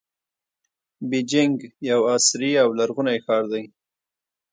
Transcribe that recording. بیجینګ یو عصري او لرغونی ښار دی.